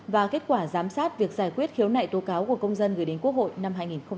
và kết quả giám sát việc giải quyết khiếu nại tố cáo của công dân gửi đến quốc hội năm hai nghìn hai mươi